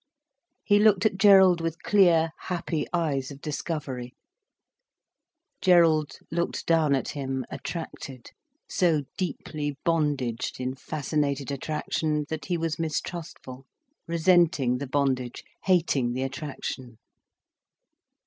He looked at Gerald with clear, happy eyes of discovery. Gerald looked down at him, attracted, so deeply bondaged in fascinated attraction, that he was mistrustful, resenting the bondage, hating the attraction.